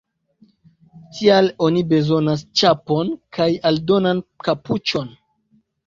Tial oni bezonas ĉapon kaj aldonan kapuĉon.